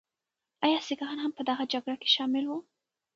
ایا سکهان هم په دغه جګړه کې شامل وو؟